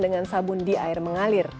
dengan sabun di air mengalir